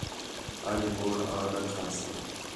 اَڄ بوڑ آں نہ کھا سا